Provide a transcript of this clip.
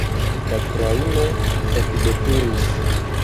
La trajno ekveturis.